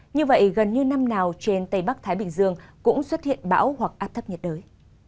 như vậy gần như năm nào trên tây bắc thái bình dương cũng xuất hiện bão hoặc áp thấp nhiệt đới